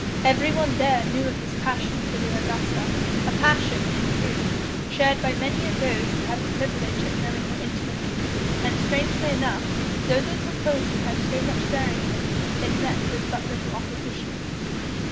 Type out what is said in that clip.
Everyone there knew of his passion for the Augusta, a passion, in truth, shared by many of those who had the privilege of knowing her intimately, and strangely enough though the proposal had so much daring in it, it met with but little opposition.